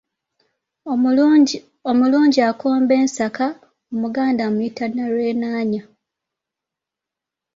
Omulungi akomba ensaka omuganda amuyita Nnalwenaanya.